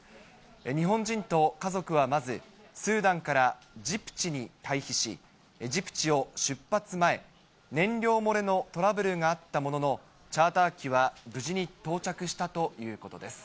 日本人と家族はまず、スーダンからジブチに退避し、ジブチを出発前、燃料漏れのトラブルがあったものの、チャーター機は無事に到着したということです。